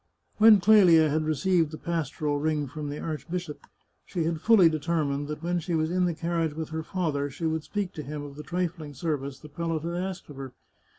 When Clelia had received the pastoral ring from the archbishop, she had fully determined that when she was in the carriage with her father she would speak to him of the trifling service the prelate had asked of her.